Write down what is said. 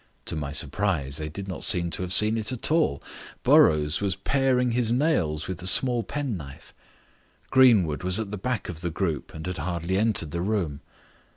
To my surprise they did not seem to have seen it at all: Burrows was paring his nails with a small penknife. Greenwood was at the back of the group and had hardly entered the room.